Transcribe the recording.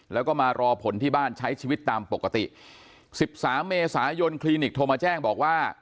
แล้วก็มารอผลที่บ้านใช้ชีวิตตามปกติสิบสามเมษายนคลินิกโทรมาแจ้งบอกว่า